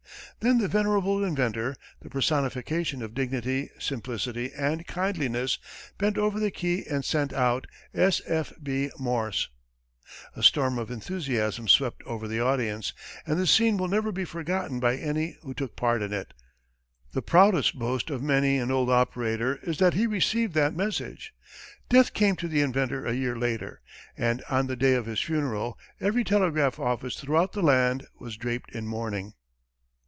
Then the venerable inventor, the personification of dignity, simplicity and kindliness, bent above the key, and sent out, "S. F. B. Morse." A storm of enthusiasm swept over the audience, and the scene will never be forgotten by any who took part in it. The proudest boast of many an old operator is that he received that message. Death came to the inventor a year later, and on the day of his funeral, every telegraph office throughout the land was draped in mourning.